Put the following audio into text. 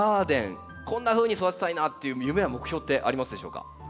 こんなふうに育てたいなっていう夢や目標ってありますでしょうか？